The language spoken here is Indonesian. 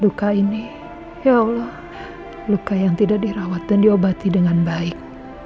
luka ini ya allah luka yang tidak dirawat dan diobati dengan baik